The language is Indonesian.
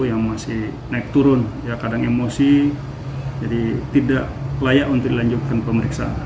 yang masih naik turun ya kadang emosi jadi tidak layak untuk dilanjutkan pemeriksaan